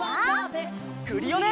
クリオネ！